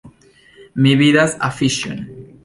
Mi vidas afiŝon.